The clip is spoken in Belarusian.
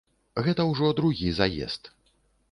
Гэта ўжо другі заезд.